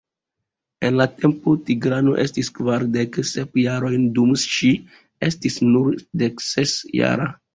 En la tempo, Tigrano estis kvardek sep jarojn dum ŝi estis nur dekses jara.